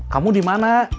kamu di mana